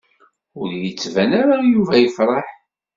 Ur d-yettban ara Yuba yefṛeḥ.